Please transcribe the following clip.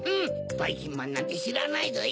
ばいきんまんなんてしらないぞよ！